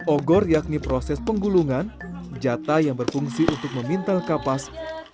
ogor yakni proses penggulungan jata yang berfungsi untuk memintal kapas